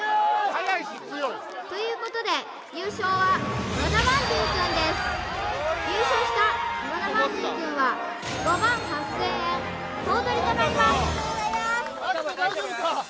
はやいし強いということで優勝は和田まんじゅうくんです優勝した和田まんじゅうくんは５万８０００円総取りとなりますおめでとうございまーすアキト大丈夫か？